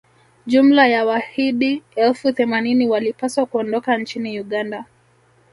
jumla ya wahidi elfu themanini walipaswa kuondoka nchini uganda